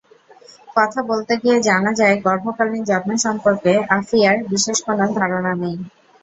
কথা বলতে গিয়ে জানা যায়, গর্ভকালীন যত্ন সম্পর্কে আফিয়ার বিশেষ কোনো ধারণা নাই।